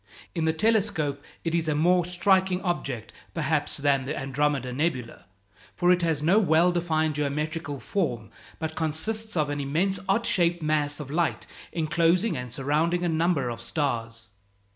In the telescope it is a more striking object, perhaps, than the Andromeda nebula; for it has no well defined geometrical form, but consists of an immense odd shaped mass of light enclosing and surrounding a number of stars.